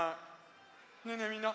ねえねえみんな。